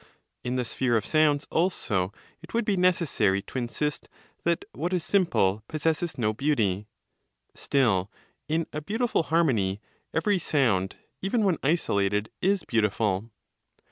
In the sphere of sounds, also, it would be necessary to insist that what is simple possesses no beauty. Still, in a beautiful harmony, every sound, even when isolated, is beautiful.